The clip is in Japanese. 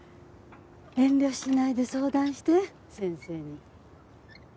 遠慮しないで相談して先生に。